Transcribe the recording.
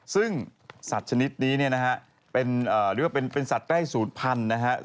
ซึ่งสัตว์ชนิดนี้เป็นสัตว์ใกล้สูตรพันธุ์นะครับ